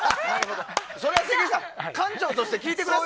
それは関さん館長として聞いてください。